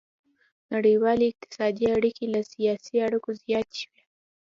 نړیوالې اقتصادي اړیکې له سیاسي اړیکو زیاتې شوې